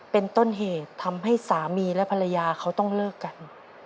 เป็นต้นเหตุทำให้สามีและภรรยาเขาต้องเลิกกัน